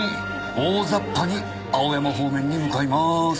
大雑把に青山方面に向かいまーす。